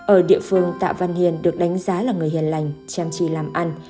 ở địa phương tạ văn hiền được đánh giá là người hiền lành chăm chỉ làm ăn